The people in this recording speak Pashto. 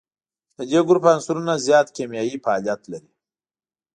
د دې ګروپ عنصرونه زیات کیمیاوي فعالیت لري.